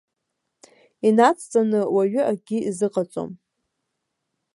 Инацҵаны уаҩы акгьы изыҟаҵом.